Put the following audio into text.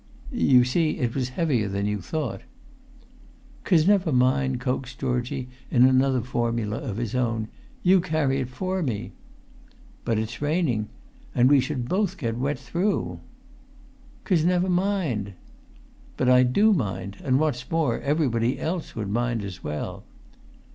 "You see, it was heavier than you thought." [Pg 266]"'Cos never mind," coaxed Georgie, in another formula of his own; "you carry it for me!" "But it's raining, and we should both be wet through." "'Cos never mind!" "But I do mind; and, what's more, everybody else would mind as well."